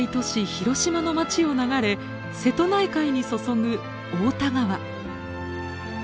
広島の街を流れ瀬戸内海に注ぐ太田川。